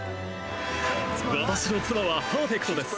私の妻はパーフェクトです。